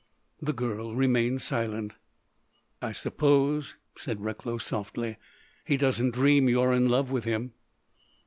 The girl remained silent. "I suppose," said Recklow softly, "he doesn't dream you are in love with him."